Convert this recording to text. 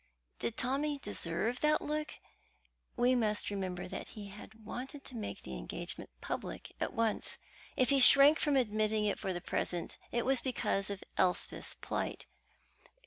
Did Tommy deserve that look? We must remember that he had wanted to make the engagement public at once; if he shrank from admitting it for the present, it was because of Elspeth's plight.